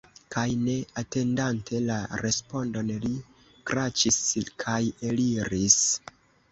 Kaj, ne atendante la respondon, li kraĉis kaj eliris.